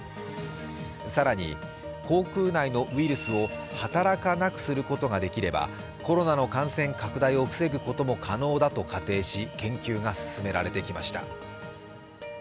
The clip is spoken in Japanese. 更に口腔内のウイルスを働かなくすることができればコロナの感染拡大を防ぐことも可能だと仮定し研究が進められてきました。